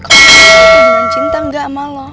kalau haikal cinta gak sama lo